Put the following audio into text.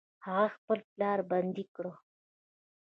هغه خپل پلار بندي کړ.